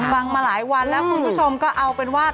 มาหลายวันแล้วคุณผู้ชมก็เอาเป็นว่า